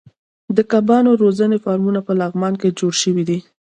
د کبانو روزنې فارمونه په لغمان کې جوړ شوي دي.